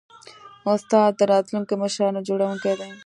استاد د راتلونکو مشرانو جوړوونکی دی.